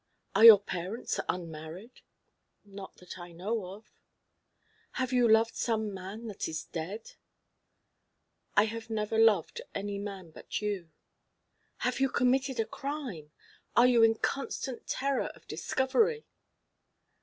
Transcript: "Are your parents unmarried?" "Not that I know of." "Have you loved some man that is dead?" "I have never loved any man but you." "Have you committed a crime? Are you in constant terror of discovery?"